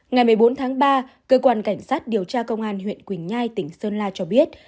ngày một mươi bốn tháng ba cơ quan cảnh sát điều tra công an huyện quỳnh nhai tỉnh sơn la cho biết